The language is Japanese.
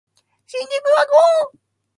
新宿は豪雨